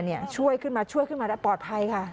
ช่วยขึ้นมาช่วยขึ้นมาได้ปลอดภัยค่ะ